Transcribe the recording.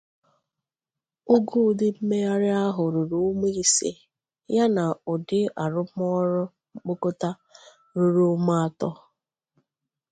Ogo ụdị mmegharị ahụ ruru ụma ise, yana ụdị arụmọrụ mkpokọta ruru ụma atọ.